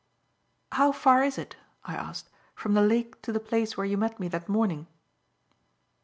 "How far is it," I asked, "from the lake to the place where you met me that morning?"